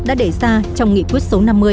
đã để ra trong nghị quyết số năm mươi